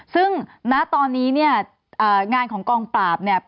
ซึ่งณตอนนี้เนี่ยงานของกองปราบเนี่ย